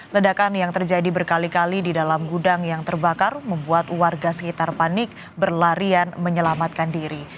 ledakan yang terjadi berkali kali di dalam gudang yang terbakar membuat warga sekitar panik berlarian menyelamatkan diri